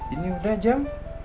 ini udah jam